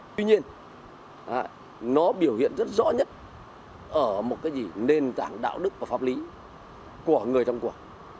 tuy nhiên nó biểu hiện rất rõ nhất ở một nền tảng đạo đức và pháp lý của người trong quả